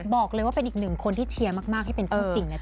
บอกเลยว่าเป็นอีกหนึ่งคนที่เชียร์มากที่เป็นคู่จริงนะ